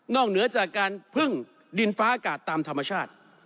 เหนือจากการพึ่งดินฟ้าอากาศตามธรรมชาติ